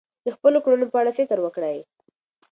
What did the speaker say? د خپلو کړنو په اړه فکر وکړئ.